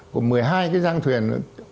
một mươi hai cái giang thuyền